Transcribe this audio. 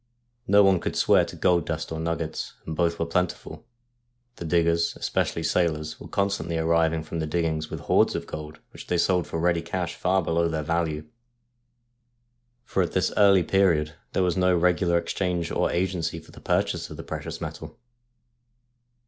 No one could swear to gold dust or nuggets, and both were plentiful, for diggers, especially sailors, were constantly arriving from the diggings with hoards of gold, which they sold for ready cash far below their value ; for at this early period there was no regu lar exchange or agency for the purchase of the precious metal.